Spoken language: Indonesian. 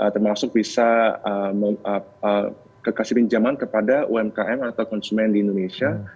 termasuk bisa kasih pinjaman kepada umkm atau konsumen di indonesia